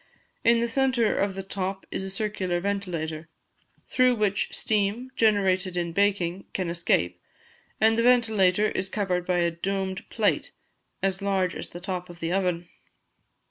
In the centre of the top is a circular ventilator, through which steam, generated in baking, can escape, and the ventilator is covered by a domed plate, as large as the top of the oven.